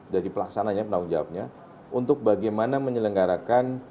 dari pelaksananya penanggung jawabnya untuk bagaimana menyelenggarakan